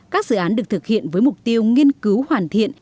các dự án được thực hiện với mục tiêu nghiên cứu hoàn thiện